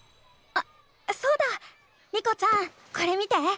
あそうだ。リコちゃんこれ見て。